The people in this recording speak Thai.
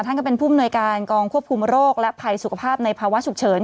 ท่านก็เป็นผู้มนวยการกองควบคุมโรคและภัยสุขภาพในภาวะฉุกเฉิน